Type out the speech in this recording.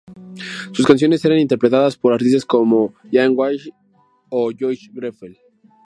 Sus canciones eran interpretadas por artistas como Ian Wallace o Joyce Grenfell.